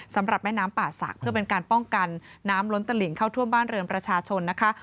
สำหรับแม่น้ำป่าศักดิ์เพื่อเป็นการป้องกันน้ำล้นตลิงเข้าท่วมบ้านเรือนประชาชนนะคะ